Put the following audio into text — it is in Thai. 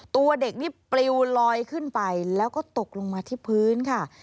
ตัวเด็กนี่ปลิวลอยขึ้นไปแล้วก็ตกลงมาที่พื้นค่ะ